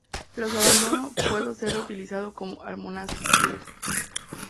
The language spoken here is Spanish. Tras su abandono, pudo ser reutilizada como al-munastir.